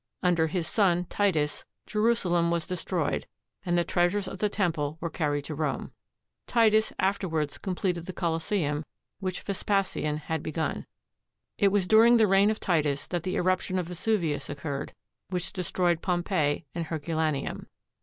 Under his son Titus, Jerusalem was destroyed, and the treas ures of the Temple were carried to Rome. Titus afterwards completed the Colosseum, which Vespasian had begun. It was during the reign of Titus that the eruption of Vesuvius occurred which destroyed Pompeii and Herculaneum.